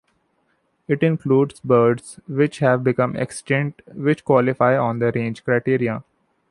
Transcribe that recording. It includes birds which have become extinct which qualify on the range criterion.